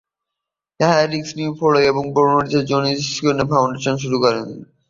Harris Newfoundland এবং ল্যাব্রাডরে Janeway children's foundation শুরু করেন।